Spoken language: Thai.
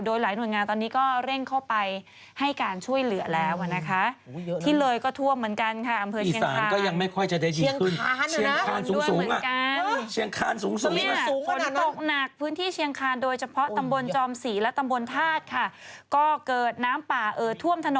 โดยหลายหน่วยงานตอนนี้ก็เร่งเข้าไป